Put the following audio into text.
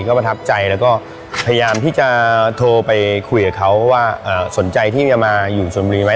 ก็ประทับใจแล้วก็พยายามที่จะโทรไปคุยกับเขาว่าสนใจที่จะมาอยู่ชนบุรีไหม